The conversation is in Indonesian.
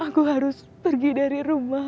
aku harus pergi dari rumah